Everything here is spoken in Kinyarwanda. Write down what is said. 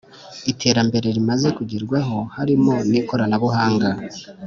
iterambere rimaze kugerwaho harimo n’ikoranabuhanga